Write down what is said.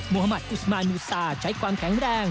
ฮมัติอุสมานูซาใช้ความแข็งแรง